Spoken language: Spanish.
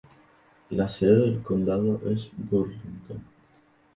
La sede del condado es Burlington.